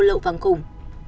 mua lậu vàng cùng